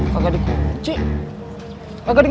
gagal data juga